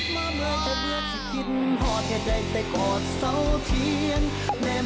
มันเจ็บของกัน